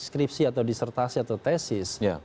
skripsi atau disertasi atau tesis